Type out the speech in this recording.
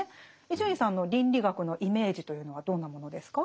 伊集院さんの倫理学のイメージというのはどんなものですか？